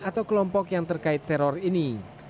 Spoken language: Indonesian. atau kelompok yang terkait teror ini